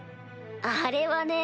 あれはね